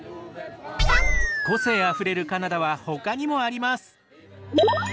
個性あふれるカナダはほかにもあります。